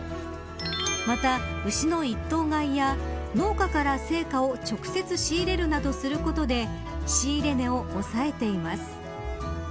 また、牛の１頭買いや農家から青果を直接仕入れるなどすることで仕入れ値を抑えています。